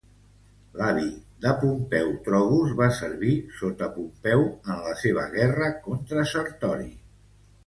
L'avi de Pompeu Trogus va servir sota Pompeu en la seva guerra contra Sertori.